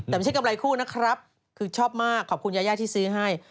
แต่ไม่ใช่กำไรคู่นะครับคือชอบมากขอบคุณยายาที่ซื้อให้